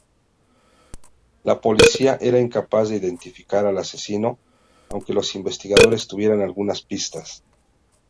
La policía era incapaz de identificar al asesino, aunque los investigadores tuvieran algunas pistas.